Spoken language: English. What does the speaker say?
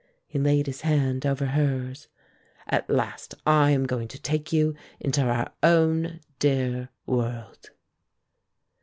He laid his hand over hers. "At last I am going to take you into our own dear world."